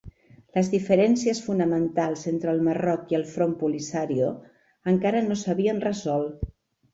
Les diferències fonamentals entre el Marroc i el Front Polisario encara no s'havien resolt.